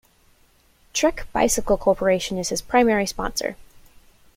Trek Bicycle Corporation is his primary sponsor.